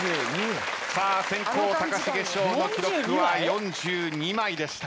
さあ先攻高重翔の記録は４２枚でした。